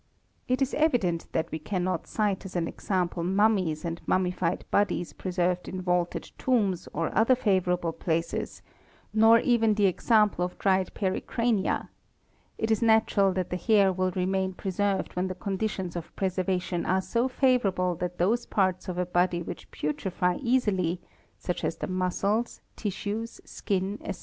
It is evident that we cannot cite as an example mummies and mummified bodies preserved in vaulted tombs or other favourable places, nor even the example of dried pericrania: it is natural that the hair will remain preserved when the conditions of preservation are so favourable that those parts of a body which putrefy — easily, such as the muscles, tissues, skin, etc.